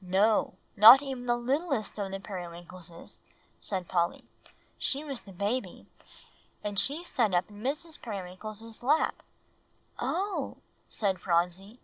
"No, not even the littlest of the Periwinkleses," said Polly. "She was the baby; and she sat up in Mrs. Periwinkle's lap." "Oh!" said Phronsie.